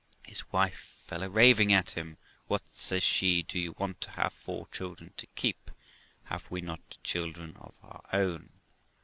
His wife fell a raving at him: 'What', says she, 'do you want to have four children to keep? Have we not children of our own?